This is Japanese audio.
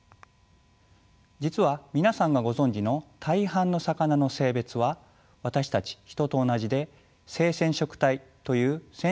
実は皆さんがご存じの大半の魚の性別は私たちヒトと同じで性染色体という染色体の組み合わせによって決まります。